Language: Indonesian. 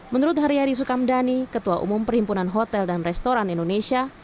menurut haryadi sukamdhani ketua umum perhimpunan hotel dan restoran indonesia